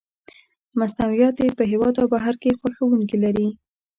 مصنوعات یې په هېواد او بهر کې خوښوونکي لري.